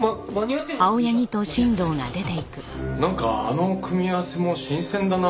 なんかあの組み合わせも新鮮だなあ。